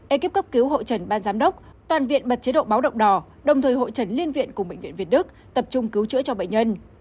ekip cấp cứu hội trần ban giám đốc toàn viện bật chế độ báo động đỏ đồng thời hội trần liên viện cùng bệnh viện việt đức tập trung cứu chữa cho bệnh nhân